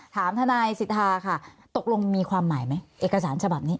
ถามทนายสิทธาค่ะตกลงมีความหมายไหมเอกสารฉบับนี้